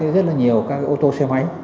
rất là nhiều các ô tô xe máy